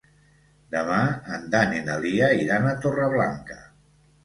Demà en Dan i na Lia iran a Torreblanca.